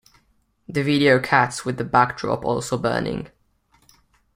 The video cuts with the backdrop also burning.